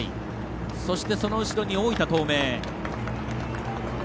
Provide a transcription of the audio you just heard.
そして、その後ろに大分東明。